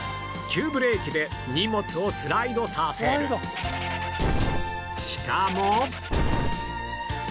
急ブレーキで荷物をスライドさせしかも